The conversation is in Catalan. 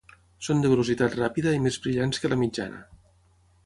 Són de velocitat ràpida i més brillants que la mitjana